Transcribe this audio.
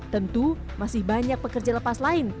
tentu masih banyak pekerja lepas lain